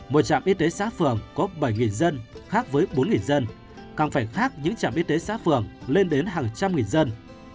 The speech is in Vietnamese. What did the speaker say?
một trạm y tế xã phường có bảy dân khác với bốn dân càng phải khác những trạm y tế xã phường lên đến hàng trăm nghìn dân